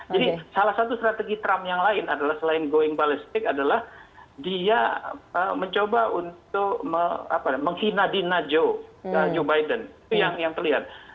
jadi salah satu strategi trump yang lain adalah selain going ballistic adalah dia mencoba untuk menghina dina joe joe biden itu yang terlihat